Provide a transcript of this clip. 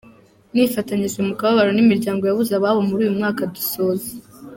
Nifatanyije mu kababaro n’imiryango yabuze ababo muri uyu mwaka dusoza.